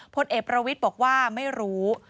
พลเอกประวิทย์บอกว่าไม่รู้